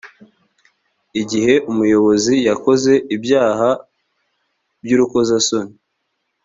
igihe umuyobozi yakoze ibyaha by urukozasoni